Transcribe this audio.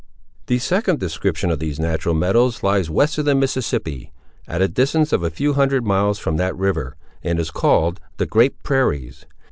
The second description of these natural meadows lies west of the Mississippi, at a distance of a few hundred miles from that river, and is called the Great Prairies.